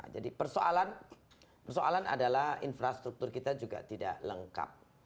jadi persoalan adalah infrastruktur kita juga tidak lengkap